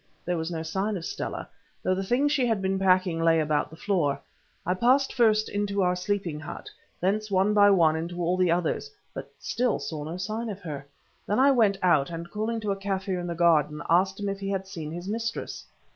There was no sign of Stella, though the things she had been packing lay about the floor. I passed first into our sleeping hut, thence one by one into all the others, but still saw no sign of her. Then I went out, and calling to a Kaffir in the garden asked him if he had seen his mistress.